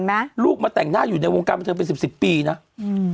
ไหมลูกมาแต่งหน้าอยู่ในวงการบันเทิงเป็นสิบสิบปีนะอืม